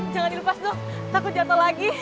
jangan lupa duk takut jatoh lagi